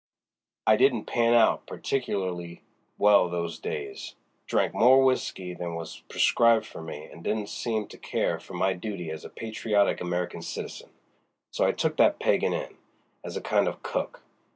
I didn't pan out particularly well those days—drank more whisky than was prescribed for me and didn't seem to care for my duty as a patriotic American citizen; so I took that pagan in, as a kind of cook.